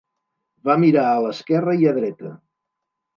Va mirar a l'esquerra i a dreta.